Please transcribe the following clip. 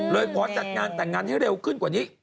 ขอจัดงานแต่งงานให้เร็วขึ้นกว่านี้